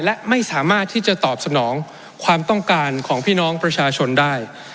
และไม่สามารถที่จะตอบสนองความต้องการของพี่น้องประชาชนได้